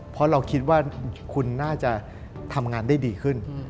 เพราะเราคิดว่าคุณน่าจะทำงานได้ดีขึ้น